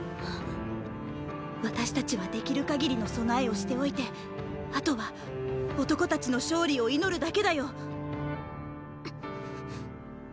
私たちはできる限りの備えをしておいて後は男たちの勝利を祈るだけだよ。